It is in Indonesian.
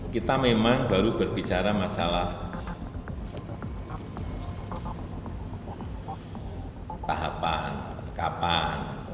kita memang baru berbicara masalah tahapan kapan